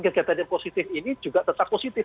kegiatan yang positif ini juga tetap positif